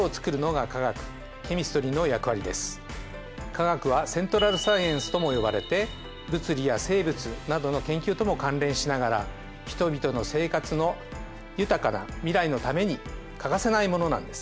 化学はＣｅｎｔｒａｌＳｃｉｅｎｃｅとも呼ばれて物理や生物などの研究とも関連しながら人々の生活の豊かな未来のために欠かせないものなんです。